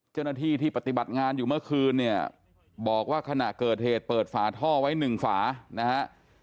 เจ้าหน้าที่ที่ปฏิบัติงานอยู่เมื่อคืนเนี่ยบอกว่าขณะเกิดเหตุเปิดฝาท่อไว้หนึ่งฝานะฮะ